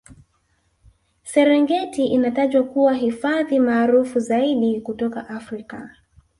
serengeti inatajwa kuwa hifadhi maarufu zaidi kutoka africa